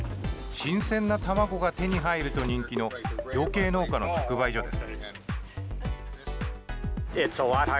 新鮮な卵が手に入ると人気の養鶏農家の直売所です。